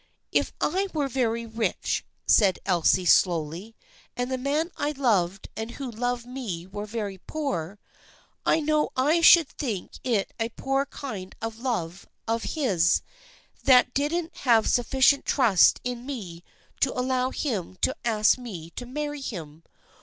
" If I were very rich," said Elsie slowly, " and the man I loved and who loved me were very poor, I know I should think it a poor kind of love of his that didn't have sufficient trust in me to al low him to ask me to marry him.